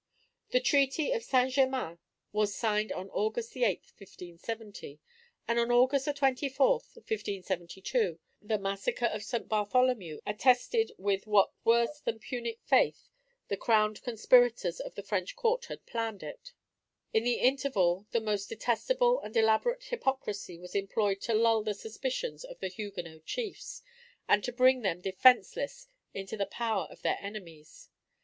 The treaty of St. Germains was signed on August 8, 1570, and on August 24, 1572, the Massacre of St. Bartholomew attested with what worse than Punic faith the crowned conspirators of the French Court had planned it. In the interval, the most detestable and elaborate hypocrisy was employed to lull the suspicions of the Huguenot chiefs, and to bring them defenceless into the power of their enemies.